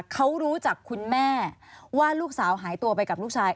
เขารู้จักคุณแม่ว่าลูกสาวหายตัวไปกับลูกชาย